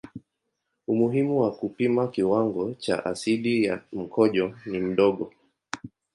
Umuhimu wa kupima kiwango cha asidi ya mkojo ni mdogo.